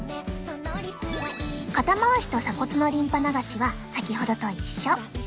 肩回しと鎖骨のリンパ流しは先ほどと一緒。